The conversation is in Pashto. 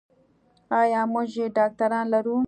ایا موږ یې ډاکتران لرو.